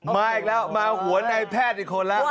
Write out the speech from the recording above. มาอีกแล้วมาหัวในแพทย์อีกคนแล้ว